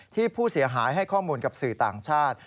ที่ผู้เสียหายให้ข้อมูลกับสื่อต่างชาติ